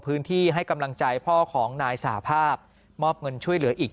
ให้กำลังใจพ่อของนายสหภาพมอบเงินช่วยเหลืออีก